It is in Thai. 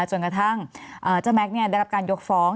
จนกระทั่งเจ้าแม็กซ์ได้รับการยกฟ้อง